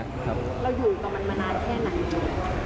เราอยู่กับมันมานานแค่ไหน